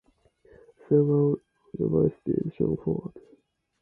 Several revised editions followed.